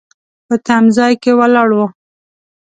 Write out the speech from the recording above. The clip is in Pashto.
په تم ځای کې ولاړ و.